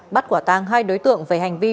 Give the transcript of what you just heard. bắt quả tang hai đối tượng về hành vi